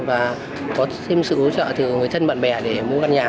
và có thêm sự hỗ trợ từ người thân bạn bè để mua căn nhà